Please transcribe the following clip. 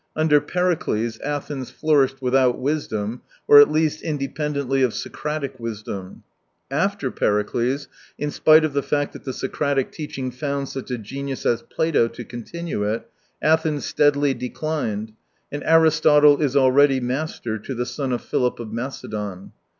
Under Pericles, Athens flourished without wisdom, or at least independently of Socratic wisdom. After Pericles, in spite of the fact that the Socratic teaching found such a genius as Plato to continue it, Athens steadily declined, and Aristotle is already master to the son of Philip of Macedon.